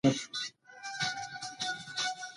په افغانستان کې د زردالو لپاره طبیعي شرایط پوره مناسب دي.